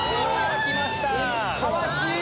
かわいい！